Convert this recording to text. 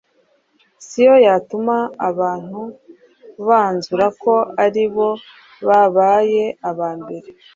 si yo yatuma abantu banzura ko ari bo babaye aba mbere